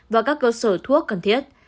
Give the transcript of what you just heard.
và các cơ sở thuốc cần thiết